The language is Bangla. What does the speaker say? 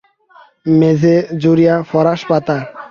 মেঝে জুড়িয়া ফরাশ পাতা।